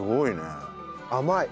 甘い。